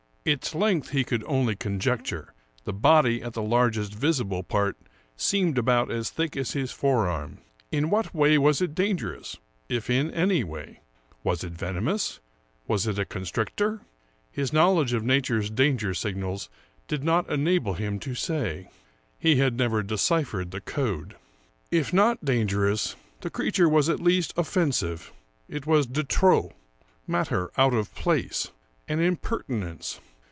Its length he could only conjecture ; the body at the largest visible part seemed about as thick as his fore arm. In what way was it dangerous, if in any way? Was it venomous? Was it a constrictor? His knowledge of 1 06 Ambrose Bicrce nature's danger signals did not enable him to say; he had never deciphered the code. If not dangerous, the creature was at least offensive. It was de trop —" matter out of place "— an impertinence.